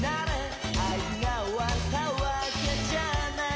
「愛が終わったわけじゃない」